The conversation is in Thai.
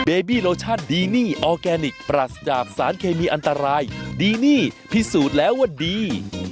เบบี้โลชั่นดีนี่ออร์แกนิคปรัสจากสารเคมีอันตรายดีนี่พิสูจน์แล้วว่าดี